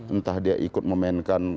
entah dia ikut memainkan